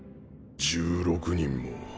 １６人も。